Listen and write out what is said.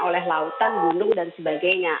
oleh lautan gunung dan sebagainya